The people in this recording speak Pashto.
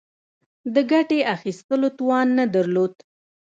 د ګټې اخیستلو توان نه درلود.